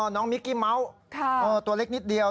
มิกกี้เมาส์ตัวเล็กนิดเดียว